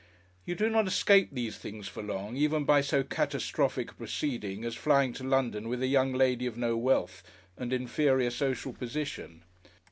You do not escape these things for long even by so catastrophic a proceeding as flying to London with a young lady of no wealth and inferior social position.